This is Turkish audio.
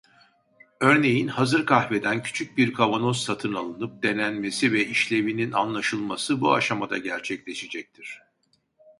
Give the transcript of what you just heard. Örneğin hazır kahveden küçük bir kavanoz satın alınıp denenmesi ve işlevinin anlaşılması bu aşamada gerçekleşecektir.